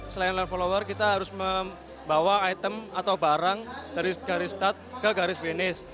selain live follower kita harus membawa item atau barang dari garis start ke garis finish